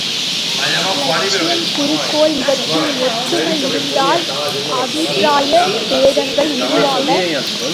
இலட்சியம் குறிக்கோள் இவற்றில் ஒற்றுமை இருந்தால் அபிப்பிராய பேதங்கள் உருவாகா.